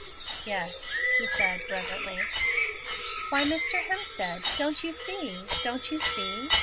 "Yes," he said reverently. "Why, Mr. Hemstead, don't you see don't you see?